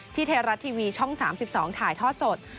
ที่เทราะห์ทีวีช่อง๓๒ถ่ายทอดสด